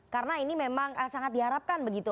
karena ini memang sangat diharapkan begitu